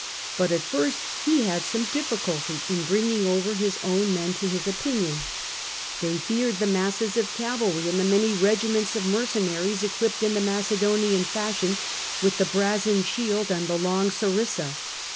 But at first he had some difficulty in bringing over his own men to his opinion; SULLA 132 they feared the masses of cavalry and the many regiments of mercenaries equipped in the Macedonian fashion with the brazen shield and the long sarissa.